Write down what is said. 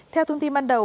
theo thông tin ban đầu